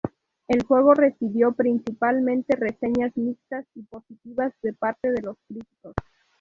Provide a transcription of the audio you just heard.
El juego recibió principalmente reseñas mixtas y positivas de parte de los críticos.